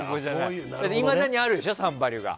いまだにあるでしょ「サンバリュ」が。